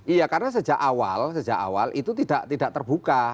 iya karena sejak awal sejak awal itu tidak terbuka